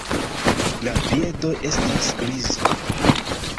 La piedoj estas grizaj.